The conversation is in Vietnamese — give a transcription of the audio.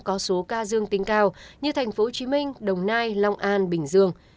có số ca dương tính cao như tp hcm đồng nai long an bình dương